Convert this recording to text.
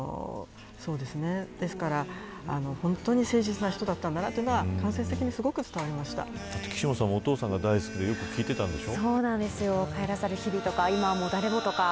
ですから本当に誠実な人だったんだなというのは岸本さん、お父さんが大好きでよく聞いてたんでしょ。